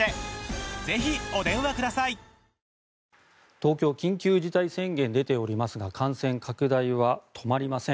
東京緊急事態宣言が出ていますが感染拡大は止まりません。